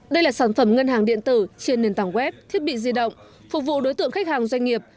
đây là sản phẩm ngân hàng điện tử trên nền tảng web thiết bị di động phục vụ đối tượng khách hàng doanh nghiệp